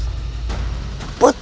tentu sekali raden